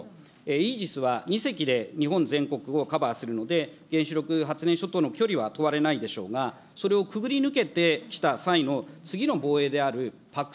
イージスは２隻で日本全国をカバーするので、原子力発電所との距離は問われないでしょうが、それをくぐり抜けてきた際の次の防衛であるＰＡＣ